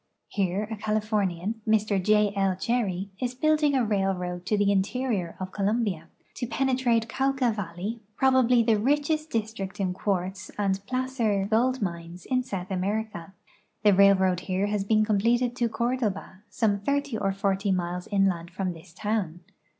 Here a Californian, Mr J. L. Cherry, is building a railroad to the interior of Colombia, to pene trate Cauca valle}^ probabl}'' the richest district in quartz and placer gold mines in South America. The railroad here has been completed to Cordoba, some thirty or forty miles inland from this town.